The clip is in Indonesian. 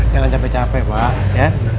jangan capek capek pak ya